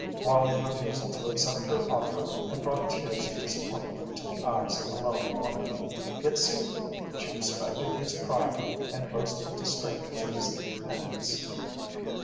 Wallie's refusal to accept her offer had brought tears of disappointment to the eyes of the lonely woman, yet secretly she respected his pride and boasted to strangers of his independence.